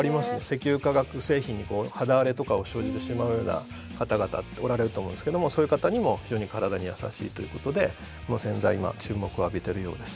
石油化学製品にこう肌荒れとかを生じてしまうような方々おられると思うんですけどもそういう方にも非常に体に優しいということでこの洗剤今注目を浴びてるようです。